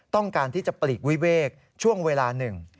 ต้องการที่จะปลีกวิเวกช่วงเวลาหนึ่ง